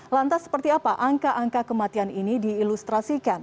lantas seperti apa angka angka kematian ini diilustrasikan